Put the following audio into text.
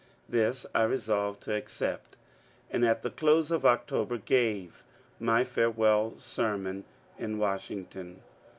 This I resolyed to accept, and at the close of October gaye my farewell sermon in Washington.